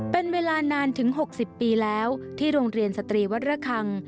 เป็นเวลานานถึง๖๐ปีแล้วที่โรงเรียนสตรีวัดระคัง